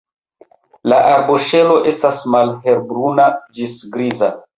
La arboŝelo estas malhelbruna ĝis griza.